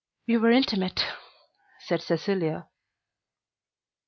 "We were intimate," said Cecilia.